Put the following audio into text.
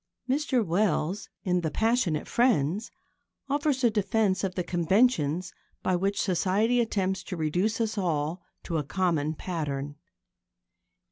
Mr Wells, in The Passionate Friends, offers a defence of the conventions by which Society attempts to reduce us all to a common pattern.